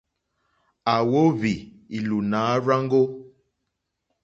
À wóhwì ìlùùnǎ rzáŋɡó.